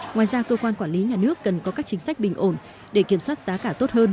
ngoài ra cơ quan quản lý nhà nước cần có các chính sách bình ổn để kiểm soát giá cả tốt hơn